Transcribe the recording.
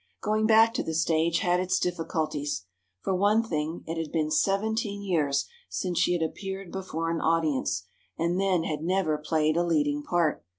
Going back to the stage had its difficulties. For one thing, it had been seventeen years since she had appeared before an audience, and then had never played a leading part.